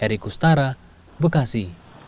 erick gustara bekasi